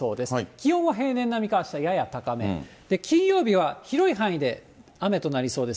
気温は平年並みかあしたはやや高め、金曜日は広い範囲で雨となりそうです。